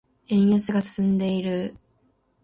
円安が進んでいる。